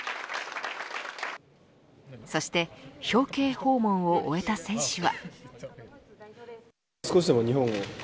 そして表敬訪問を終えた選手は。